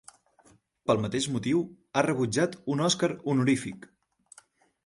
Pel mateix motiu, ha rebutjat un Oscar Honorífic.